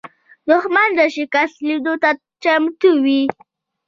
دښمن د شکست لیدلو ته چمتو وي